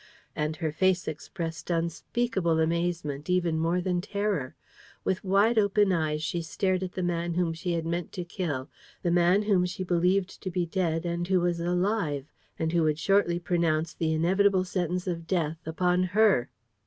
And her face expressed unspeakable amazement even more than terror. With wide open eyes she stared at the man whom she had meant to kill, the man whom she believed to be dead and who was alive and who would shortly pronounce the inevitable sentence of death upon her.